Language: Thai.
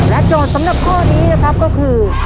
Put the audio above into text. และจอดสำนักข้อนี้ครับคือ